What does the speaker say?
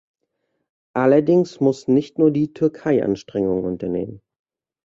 Allerdings muss nicht nur die Türkei Anstrengungen unternehmen.